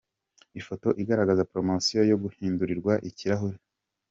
Ifoto igaragaza promotion yo guhindurirwa ikirahuri.